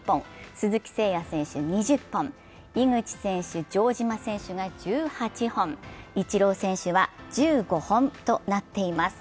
鈴木誠也選手２０本、井口選手、城島選手が１８本、イチロー選手は１５本となっています。